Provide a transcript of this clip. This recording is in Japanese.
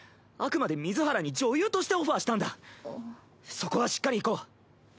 そこはしっかりいこう。